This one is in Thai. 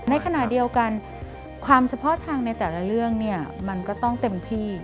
ในขณะเดียวกันความเฉพาะทางในแต่ละเรื่องเนี่ยมันก็ต้องเต็มที่